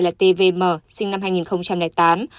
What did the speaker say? là tvm sinh năm hai nghìn tám